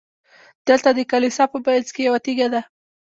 دلته د کلیسا په منځ کې یوه تیږه ده.